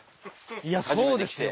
いやそうですよ